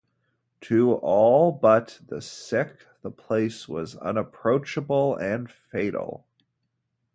To all but the sick the place was unapproachable and fatal.